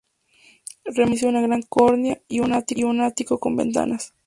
Remata el edificio una gran cornisa y un ático con ventanas.